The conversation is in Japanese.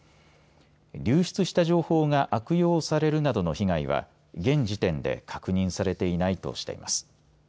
流出した情報が悪用されるなどの被害は現時点で確認されていないとしています。